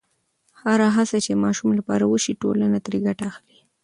هره هڅه چې د ماشوم لپاره وشي، ټولنه ترې ګټه اخلي.